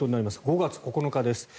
５月９日です。